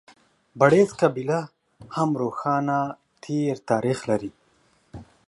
بړېڅ قبیله هم روښانه تېر تاریخ لري.